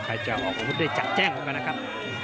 ใครจะออกอาวุธด้วยจักแจ้งบ้างนะครับ